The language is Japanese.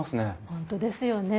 本当ですよね。